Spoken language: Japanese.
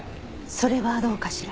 それはどうかしら？